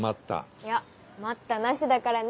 いや待ったなしだからね